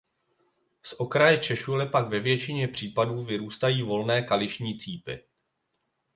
Z okraje češule pak ve většině případů vyrůstají volné kališní cípy.